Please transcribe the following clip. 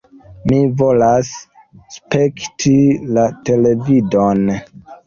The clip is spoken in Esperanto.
Mi volas spekti la televidon!